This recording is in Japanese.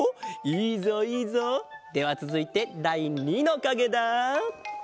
いいぞいいぞ！ではつづいてだい２のかげだ！